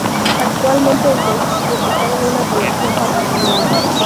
Actualmente el vehículo está en una colección particular.